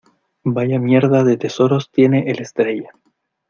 vaya mierda de tesoros tiene el Estrella.